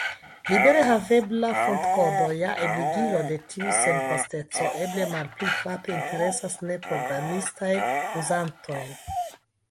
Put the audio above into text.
Libere havebla fontkodo, ja ebligilo de tiu senkosteco, eble malpli frape interesas neprogramistajn uzantojn.